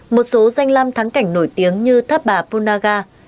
một số danh lam thắng cảnh nổi tiếng như tháp bà punaga